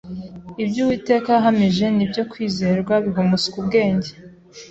ibyo Uwiteka yahamije ni ibyo kwizerwa biha umuswa ubwenge,